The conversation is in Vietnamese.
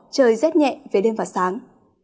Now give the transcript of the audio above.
trời rét nhẹ về đêm và sáng